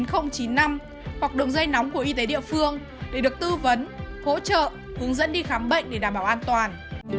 hoặc đường dây nóng của y tế địa phương để được tư vấn hỗ trợ hướng dẫn đi khám bệnh để đảm bảo an toàn